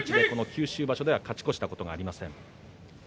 九州場所で勝ち越したことがありません。